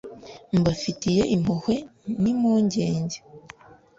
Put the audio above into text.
mbafitiye impuhwe n’impungenge